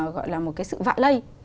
gọi là một cái sự vạ lây